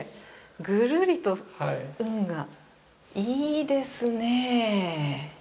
ぐるりと海が、いいですね。